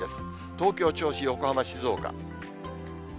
東京、銚子、横浜、静岡。